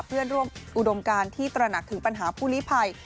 เพื่อนร่วมอุดมการที่ตระหนักถึงปัญหาผู้ลิภัย